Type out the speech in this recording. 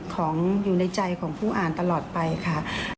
ของอยู่ในใจของผู้อ่านตลอดไปค่ะ